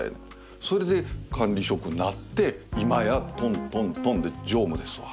それで管理職になって今やトントントンで常務ですわ。